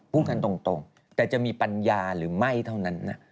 พูดกันตรงแต่จะมีปัญญาหรือไม่เท่านั้นนะ